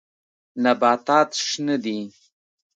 نباتات شنه دي.